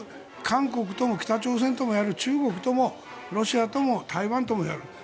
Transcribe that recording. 韓国とも北朝鮮ともやる中国ともロシアとも台湾ともやる。